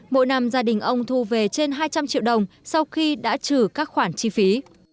mỗi năm gia đình ông thu về trên hai trăm linh triệu đồng sau khi đã trừ các khoản chi phí